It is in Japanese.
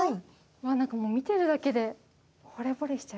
何かもう見てるだけでほれぼれしちゃいますね。